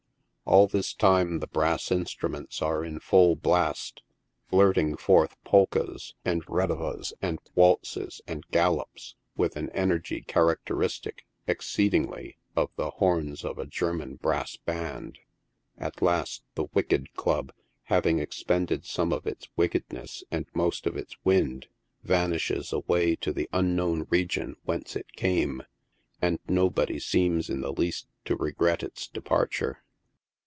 All this time the brass instruments are in full blast, blurt ing forth polkas, and redowas, and waltzes, and gallops, with an en ergy characteristic, exceedingly, of the horns of a German brass baud. At last the Wicked Club, having expended some of its wick edness and most of its wind, vanishes away to the unknown region whence it came, and nobody seems in the least to regret its depar ture.